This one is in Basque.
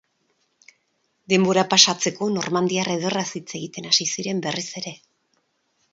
Denbora pasatzeko, Normandiar ederraz hitz egiten hasi ziren berriz ere.